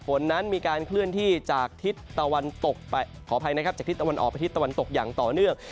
ฝนนั้นมีการเคลื่อนที่จากทิศตะวันออกไปทิศตะวันตกอย่างต่อเนื่อง